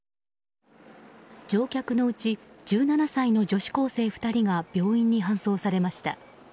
乗客のうち１７歳の女子高生が２人が病院に搬送されました。